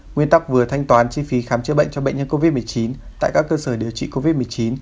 nguyên tắc vừa thanh toán chi phí khám chữa bệnh cho bệnh nhân covid một mươi chín tại các cơ sở điều trị covid một mươi chín